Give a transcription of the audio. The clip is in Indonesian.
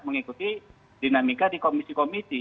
mengikuti dinamika di komisi komisi